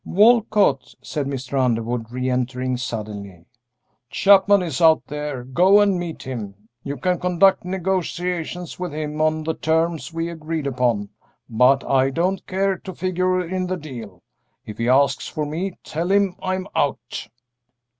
"Walcott," said Mr. Underwood, re entering suddenly, "Chapman is out there; go and meet him. You can conduct negotiations with him on the terms we agreed upon, but I don't care to figure in the deal. If he asks for me, tell him I'm out."